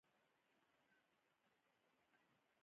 ماشومان په لوبغالي کې لوبې کوي او خوشحاله وي.